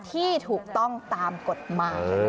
ที่ถูกต้องตามกฎหมาย